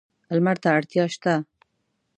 لمر ته اړتیا شته.